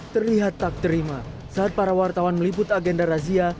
terlihat tak terima saat para wartawan meliput agenda razia